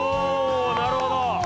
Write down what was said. なるほど。